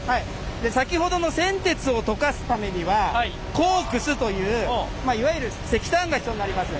先ほどの銑鉄を溶かすためにはコークスというまあいわゆる石炭が必要になります。